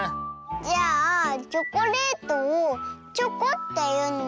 じゃあチョコレートをチョコっていうのもそう？